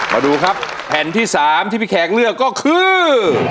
มาดูครับแผ่นที่๓ที่พี่แขกเลือกก็คือ